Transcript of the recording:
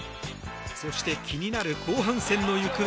そして、気になる後半戦の行方。